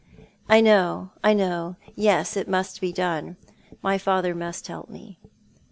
" I know, I know. Yes, it must be done. My father must help me."